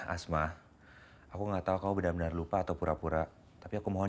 asma aku nggak tahu kau benar benar lupa atau pura pura tapi aku mohon